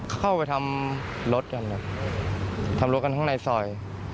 เข้าไปทำรถกันครับทำรถกันข้างในซอย